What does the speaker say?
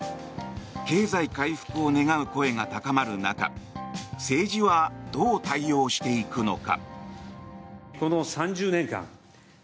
経済回復を願う声が高まる中政治はどう対応していくのか。